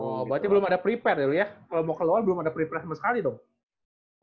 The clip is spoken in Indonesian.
oh berarti belum ada prepare itu ya kalau mau keluar belum ada prepare sama sekali dong